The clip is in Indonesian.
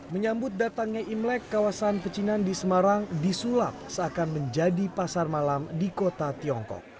menyambut datangnya imlek kawasan pecinan di semarang disulap seakan menjadi pasar malam di kota tiongkok